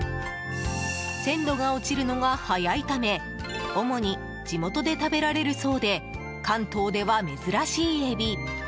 鮮度が落ちるのが早いため主に地元で食べられるそうで関東では珍しいエビ。